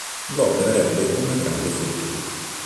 L'opera ebbe una grande fortuna.